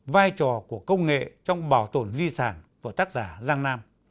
vai trò của công nghệ trong bảo tồn di sản của tác giả giang nam